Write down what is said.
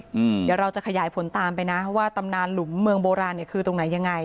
เดี๋ยวเราจะขยายผลตามไปนะว่าตำนานหลุมเมืองโบราณเนี่ยคือตรงไหนยังไง